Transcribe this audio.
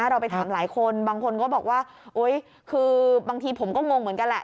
เราไปถามหลายคนบางคนก็บอกว่าโอ๊ยคือบางทีผมก็งงเหมือนกันแหละ